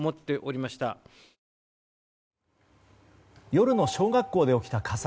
夜の小学校で起きた火災。